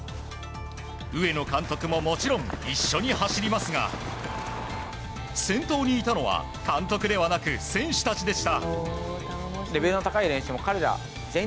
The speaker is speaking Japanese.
上野監督ももちろん一緒に走りますが先頭にいたのは監督ではなく選手たちでした。